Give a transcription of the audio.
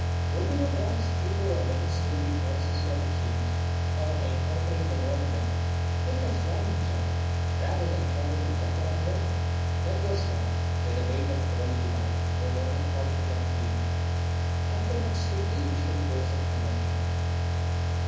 Would we not rather skip over many storied houses for a change, or on encountering the monument take a flying jump, rather than trouble to walk round it? That was why, with the weight of worldly life no longer clogging my feet, I could not stick to the usual course of convention.